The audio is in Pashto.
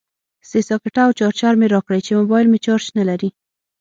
سه ساکټه او چارجر مې راکړئ چې موبایل مې چارج نلري